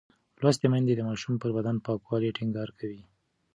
لوستې میندې د ماشوم پر بدن پاکوالی ټینګار کوي.